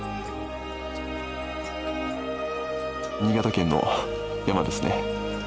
新潟県の山ですね。